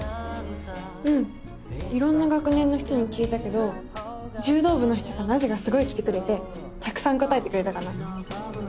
いろんな学年の人に聞いたけどじゅうどう部の人がなぜかすごい来てくれてたくさん答えてくれたかな。